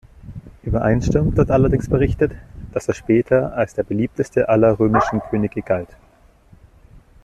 Übereinstimmend wird allerdings berichtet, dass er später als der beliebteste aller römischen Könige galt.